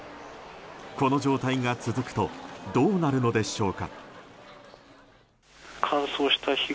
この状態が続くとどうなるのでしょうか。